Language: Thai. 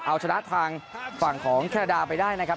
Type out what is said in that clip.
เอาชนะทางฝั่งของแครดาไปได้นะครับ